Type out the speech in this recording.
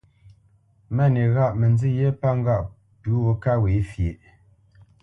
Máni ghâʼ mə nzî ghyé pə ŋgâʼ pʉ̌ gho ká ghwě fyeʼ.